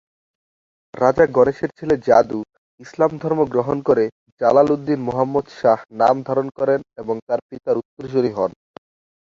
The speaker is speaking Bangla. রাজা গণেশের ছেলে যাদু ইসলাম ধর্ম গ্রহণ করে জালাল উদ্দীন মোহাম্মদ শাহ নাম ধারণ করেন এবং তার পিতার উত্তরসুরি হন।